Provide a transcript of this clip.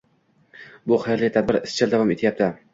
Bu xayrli tadbir izchil davom etyapti